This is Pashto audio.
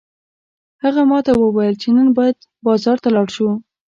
هغه ماته وویل چې نن باید بازار ته لاړ شو